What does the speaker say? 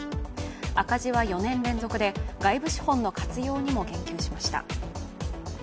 赤字は４年連続で、外部資本の活用にも言及しました。